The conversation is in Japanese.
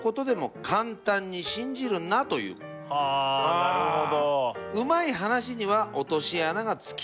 なるほど。